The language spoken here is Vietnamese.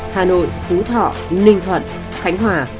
hà nội phú thọ ninh thuận khánh hòa